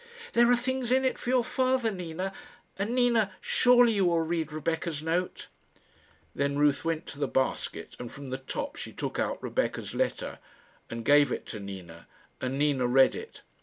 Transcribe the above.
"There are things in it for your father, Nina; and, Nina, surely you will read Rebecca's note?" Then Ruth went to the basket, and from the top she took out Rebecca's letter, and gave it to Nina, and Nina read it.